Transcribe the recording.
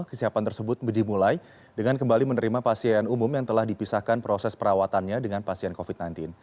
kesiapan tersebut dimulai dengan kembali menerima pasien umum yang telah dipisahkan proses perawatannya dengan pasien covid sembilan belas